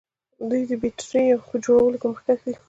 دوی د بیټریو په جوړولو کې مخکښ دي.